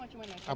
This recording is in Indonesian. masuk ke dalam